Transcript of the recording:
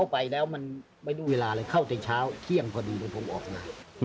ไปแล้วมันไม่รู้เวลาเลยเข้าแต่เช้าเที่ยงพอดีเหมือนผมออกนะ